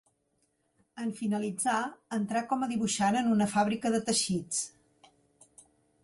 En finalitzar, entrà com a dibuixant en una fàbrica de teixits.